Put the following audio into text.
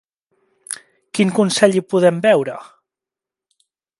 Quin consell hi podem veure?